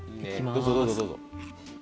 どうぞどうぞどうぞ。